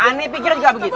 ani pikirnya juga begitu